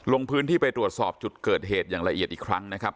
ลงพื้นที่ไปตรวจสอบจุดเกิดเหตุอย่างละเอียดอีกครั้งนะครับ